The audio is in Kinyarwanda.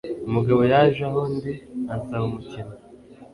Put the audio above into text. Umugabo yaje aho ndi ansaba umukino.